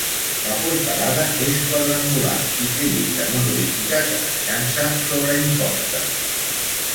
La portalada és quadrangular i té llinda monolítica que descansa sobre impostes.